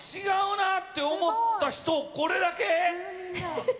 違うなって思った人、これだけ？